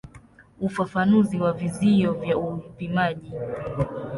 Ufafanuzi wa vizio vya upimaji.